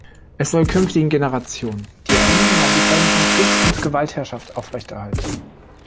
Es soll zukünftigen Generationen die Erinnerung an die Folgen von Krieg und Gewaltherrschaft aufrechterhalten.